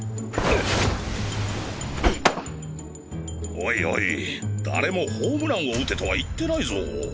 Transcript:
おいおい誰もホームランを打てとは言ってないぞ。